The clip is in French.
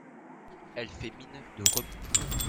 Elle fait mine de remonter.